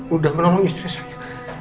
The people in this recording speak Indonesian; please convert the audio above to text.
sudah menolong istri saya